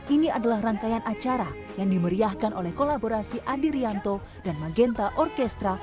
ini adalah rangkaian acara yang dimeriahkan oleh kolaborasi andi rianto dan magenta orkestra